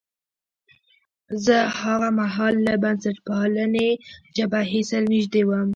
زه هاغه مهال له بنسټپالنې جبهې سره نژدې وم.